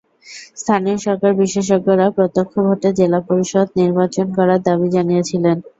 স্থানীয় সরকার বিশেষজ্ঞরা প্রত্যক্ষ ভোটে জেলা পরিষদ নির্বাচন করার দাবি জানিয়েছিলেন।